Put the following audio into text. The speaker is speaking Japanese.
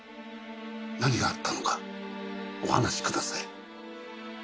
何があったのかお話しください。